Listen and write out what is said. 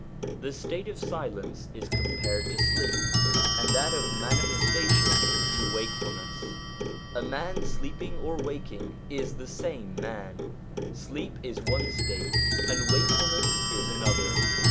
The state of silence is compared to sleep, and that of mani 176 SOME ANSWERED QUESTIONS festation to wakefulness. A man sleeping or waking is the same man ; sleep is one state, and wakefulness is another.